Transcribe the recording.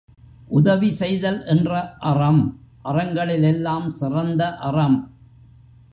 உதவி செய்தல் என்ற அறம், அறங்களில் எல்லாம் சிறந்த அறம்.